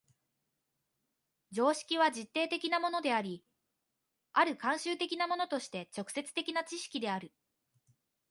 常識は実定的なものであり、或る慣習的なものとして直接的な知識である。